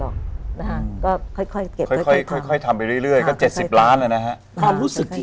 คุณซูซี่